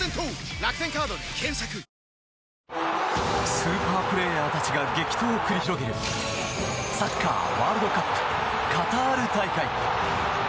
スーパープレーヤーたちが激闘を繰り広げるサッカーワールドカップカタール大会。